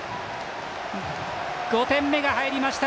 ５点目が入りました